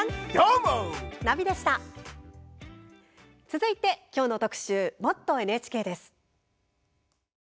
続いて、今日の特集「もっとＮＨＫ」です。